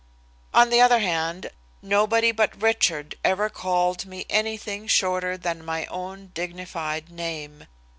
On the other hand, nobody but Richard ever called me anything shorter than my own dignified name.